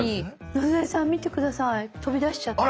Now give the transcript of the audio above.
野添さん見て下さい飛び出しちゃった。